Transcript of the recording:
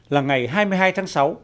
là ngày hai mươi hai tháng sáu